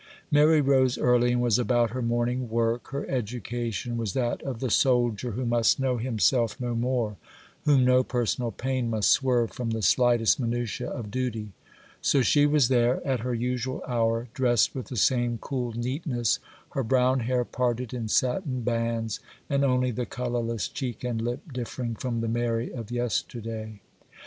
Mary rose early and was about her morning work. Her education was that of the soldier, who must know himself no more, whom no personal pain must swerve from the slightest minutiæ of duty. So she was there, at her usual hour, dressed with the same cool neatness, her brown hair parted in satin bands, and only the colourless cheek and lip differing from the Mary of yesterday.